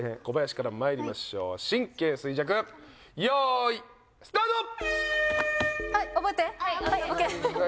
小林からまいりましょう神経衰弱よいスタート！